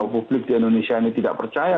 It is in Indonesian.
publik di indonesia ini tidak percaya